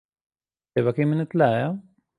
کتێبەکەی منت لایە؟